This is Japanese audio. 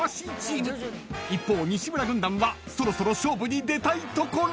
［一方西村軍団はそろそろ勝負に出たいところ］